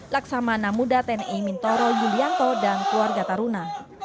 laksamana muda tni mintoro yulianto dan keluarga taruna